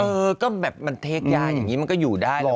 เออก็แบบมันเทกยาแบบนี้มันก็อยู่ได้